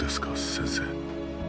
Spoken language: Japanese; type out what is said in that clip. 先生。